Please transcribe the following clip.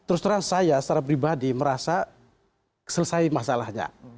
terus terang saya secara pribadi merasa selesai masalahnya